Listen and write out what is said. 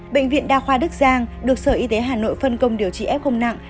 bệnh viện đa khoa đức giang được sở y tế hà nội phân công điều trị f nặng